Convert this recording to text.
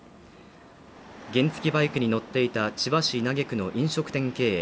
原付バイクに乗っていた千葉市稲毛区の飲食店経営